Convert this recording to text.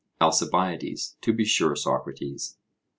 ALCIBIADES: To be sure, Socrates.